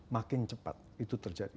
makin cepat itu terjadi